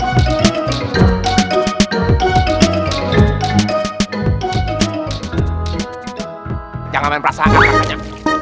jangan main perasaan kakaknya